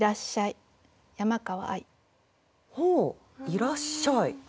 「いらっしゃい」。